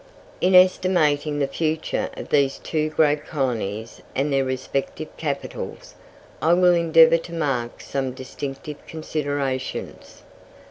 In estimating the future of these two great colonies and their respective capitals, I will endeavour to mark some distinctive considerations.